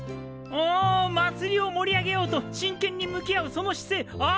おおまつりを盛り上げようとしんけんに向き合うその姿勢あっぱれ！